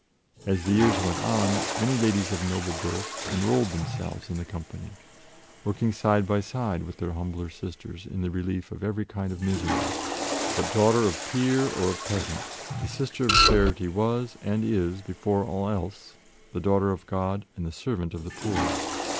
As the years went on, many ladies of noble birth enrolled themselves in the company, working side by side with their humbler sisters in the relief of every kind of misery; but daughter of peer or of peasant, the Sister of Charity was and is, before all else, the daughter of God and the servant of the poor.